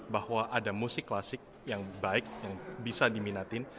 bahwa ada musik klasik yang baik yang bisa diminatin